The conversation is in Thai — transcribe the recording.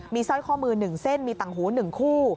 มีซ้อยข้อมือหนึ่งเส้นมีตังหูหนึ่งคู่